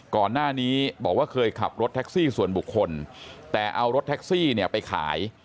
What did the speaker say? ก่อนหน้านี้บอกว่าเคยขับรถแท็กซี่ส่วนบุคคลแต่เอารถแท็กซี่เนี่ยไปขาย